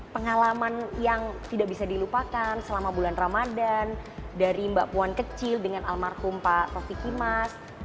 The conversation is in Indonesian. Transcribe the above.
pengalaman yang tidak bisa dilupakan selama bulan ramadan dari mbak puan kecil dengan almarhum pak taufik kimas